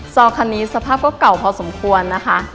ซอคันนี้สภาพก็เก่าพอสมควรนะคะ